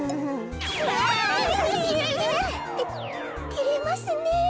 ててれますねえ。